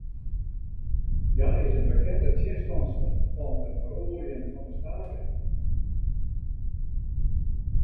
Hja is in bekende tsjinstanster fan it feroarjen fan de stavering.